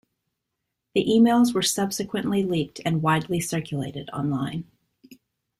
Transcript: The emails were subsequently leaked and widely circulated online.